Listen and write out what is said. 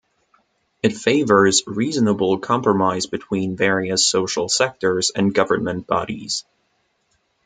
It favours reasonable compromise between various social sectors and government bodies.